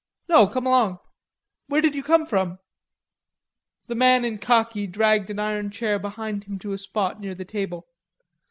"No, come along; where did you come from?" The man in khaki dragged an iron chair behind him to a spot near the table.